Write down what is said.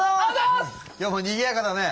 今日もにぎやかだね。